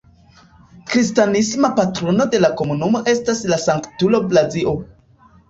Kristanisma patrono de la komunumo estas la sanktulo Blazio.